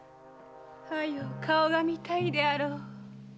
早う顔が見たいであろう。